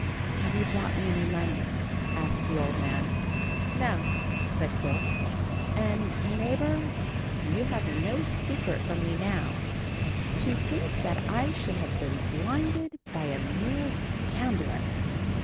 "Have you brought me any money?" asked the old man. "No," said Quilp; "and, neighbour, you have no secret from me now. To think that I should have been blinded by a mere gambler!"